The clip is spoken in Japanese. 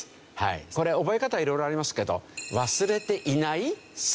これ覚え方いろいろありますけど。